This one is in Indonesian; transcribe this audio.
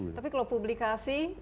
tapi kalau publikasi